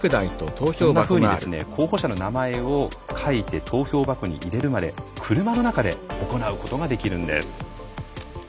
こんなふうに候補者の名前を書いて投票箱に入れるまで車の中で行うことができるんです。